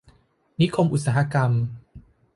นิคมอุตสาหกรรม